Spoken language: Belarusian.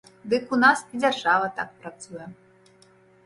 Дык у нас і дзяржава так працуе.